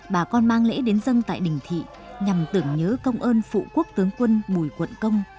bà con mang lễ đến dân tại đình thị nhằm tưởng nhớ công ơn phụ quốc tướng quân bùi quận công